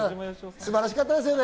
素晴らしかったですよね？